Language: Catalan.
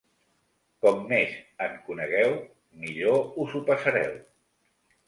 Com més en conegueu, millor us ho passareu.